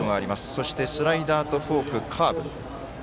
そして、スライダーとフォークカーブ。